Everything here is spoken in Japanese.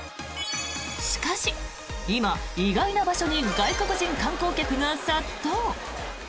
しかし今、意外な場所に外国人観光客が殺到。